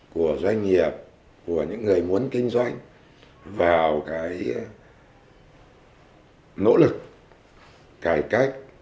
của doanh nghiệp của những người muốn kinh doanh vào cái nỗ lực cải cách